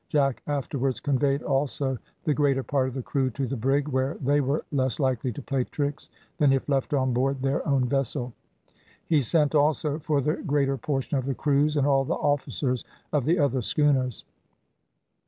Jack afterwards conveyed also the greater part of the crew to the brig, where they were less likely to play tricks than if left on board their own vessel; he sent also for the greater portion of the crews and all the officers of the other schooners.